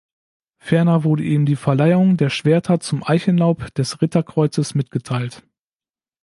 Ferner wurde ihm die Verleihung der Schwerter zum Eichenlaub des Ritterkreuzes mitgeteilt.